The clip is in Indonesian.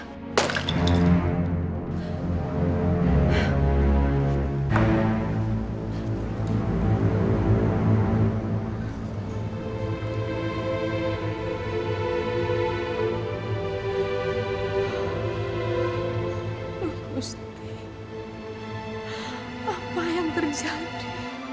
lulus apa yang terjadi